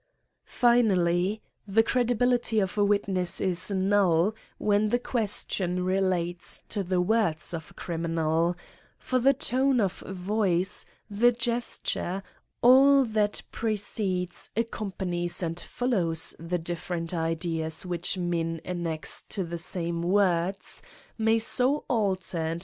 Finally, the credibility of a witness is iiiill when the question relates to the words of a criminal ; for the tone of voice, the gesture, all that precedes, accompanies, and follows the different ideas which men annex to the same words, may so alter and.